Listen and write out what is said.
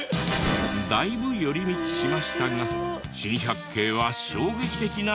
だいぶ寄り道しましたが珍百景は衝撃的なご夫婦。